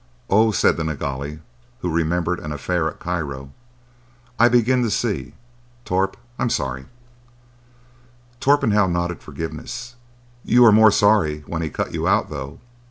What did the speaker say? "Oho!" said the Nilghai, who remembered an affair at Cairo. "I begin to see,—Torp, I'm sorry." Torpenhow nodded forgiveness: "You were more sorry when he cut you out, though.